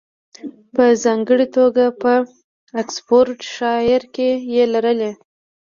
په ځانګړې توګه په اکسفورډشایر کې یې لرلې